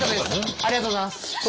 ありがとうございます！